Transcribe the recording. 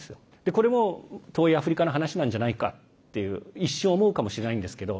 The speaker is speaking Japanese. これも遠いアフリカの話なんじゃないかって一瞬思うかもしれないんですけど。